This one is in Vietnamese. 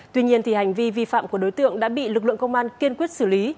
tuy nhiên hành vi vi phạm của đối tượng đã bị lực lượng công an kiên quyết xử lý